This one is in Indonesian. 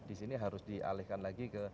di sini harus dialihkan lagi ke